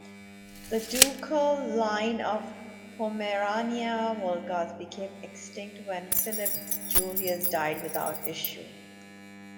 The ducal line of Pomerania-Wolgast became extinct when Philipp Julius died without issue.